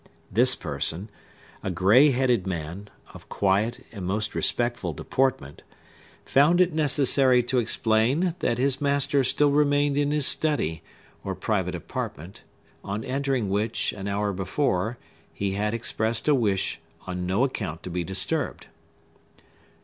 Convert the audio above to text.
This person—a gray headed man, of quiet and most respectful deportment—found it necessary to explain that his master still remained in his study, or private apartment; on entering which, an hour before, he had expressed a wish on no account to be disturbed.